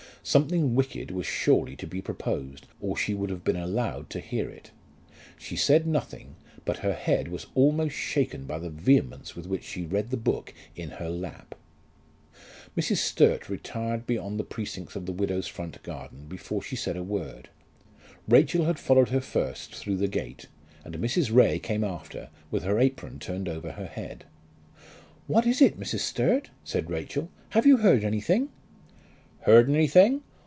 Something wicked was surely to be proposed, or she would have been allowed to hear it. She said nothing, but her head was almost shaken by the vehemence with which she read the book in her lap. Mrs. Sturt retired beyond the precincts of the widow's front garden before she said a word. Rachel had followed her first through the gate, and Mrs. Ray came after with her apron turned over her head. "What is it, Mrs. Sturt?" said Rachel. "Have you heard anything?" "Heard anything?